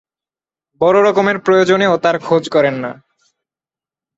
বড় রকমের প্রয়োজনেও তাঁর খোঁজ করেন না।